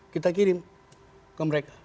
kita kirim ke mereka